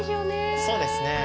そうですね。